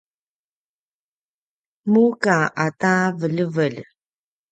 muka ata veljevelj